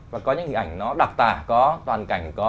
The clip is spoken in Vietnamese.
và có những hình ảnh nó đặc tả có toàn cảnh có